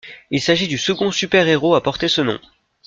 Il s'agit du second super-héros à porter ce nom.